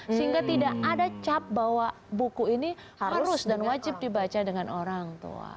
sehingga tidak ada cap bahwa buku ini harus dan wajib dibaca dengan orang tua